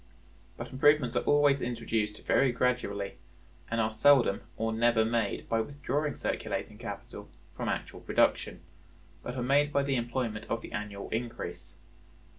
But improvements are always introduced very gradually, and are seldom or never made by withdrawing circulating capital from actual production, but are made by the employment of the annual increase.